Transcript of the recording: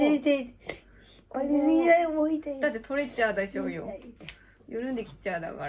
だって取れちゃうでしょうよ。